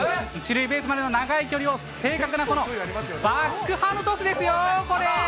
１塁ベースまでの長い距離を、正確なこのバックハンドトスですよ、これ。